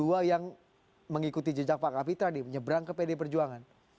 atau yang mengikuti jejak pak kapitra di menyeberang ke pd perjuangan